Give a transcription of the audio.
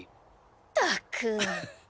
ったく。